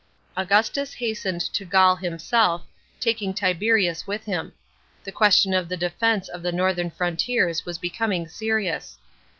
* Augustus hastened to Gaul himself, taking Tiberius with him ; the question of the defence of the northern frontiers was becoming serious.